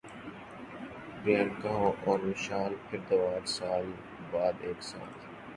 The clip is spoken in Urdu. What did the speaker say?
پریانکا اور وشال بھردواج سال بعد ایک ساتھ